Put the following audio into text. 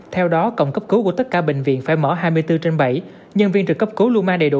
theo đó cổng cấp cứu của tất cả bệnh viện phải mở hai mươi bốn trên bảy nhân viên trực cấp cứu luôn mang đầy đủ